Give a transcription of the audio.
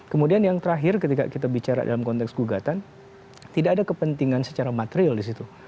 kemudian yang terakhir ketika kita bicara dalam konteks gugatan tidak ada kepentingan secara material di situ